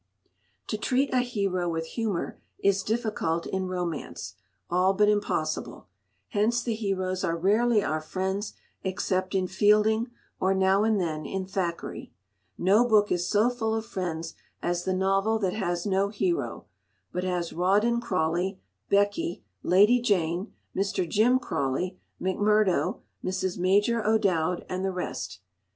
To treat a hero with humour is difficult in romance, all but impossible. Hence the heroes are rarely our friends, except in Fielding, or, now and then, in Thackeray. No book is so full of friends as the novel that has no hero, but has Rawdon Crawley, Becky, Lady Jane, Mr. Jim Crawley, MacMurdo, Mrs. Major O'Dowd, and the rest.